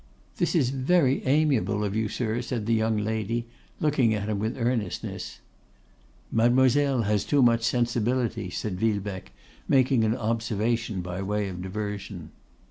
'This is very amiable of you, sir,' said the young lady, looking at him with earnestness. 'Mademoiselle has too much sensibility,' said Villebecque, making an observation by way of diversion.